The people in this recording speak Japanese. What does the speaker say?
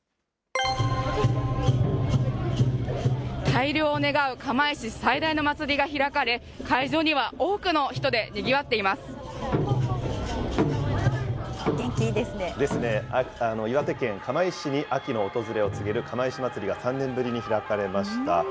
大漁を願う釜石最大のまつりが開かれ、会場には多くの人でに岩手県釜石市に秋の訪れを告げる釜石まつりが３年ぶりに開かれました。